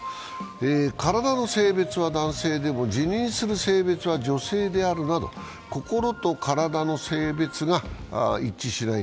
体の性別は男性でも自認する性別は女性であるなど、心と体の性別が一致しない